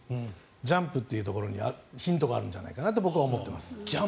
ジャンプというところにヒントがあるんじゃないかと僕は思っています。